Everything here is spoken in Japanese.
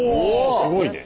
すごいね。